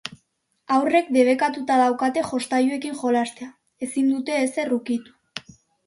Haurrek debekatuta daukate jostailuekin jolastea, ezin dute ezer ukitu.